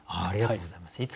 ありがとうございます。